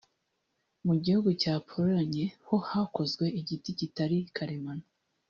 Mu gihugu cya pologne ho hakozwe igiti kitari karemano